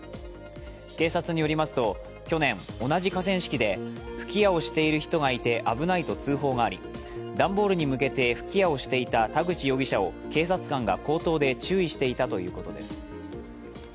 警察によりますと、去年同じ河川敷で吹き矢をしている人がいて危ないと通報があり段ボールに向けて吹き矢をしていた田口容疑者を警察官が口頭で注意していたということです。